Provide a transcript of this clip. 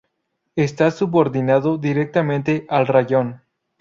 Está subordinado directamente al raión.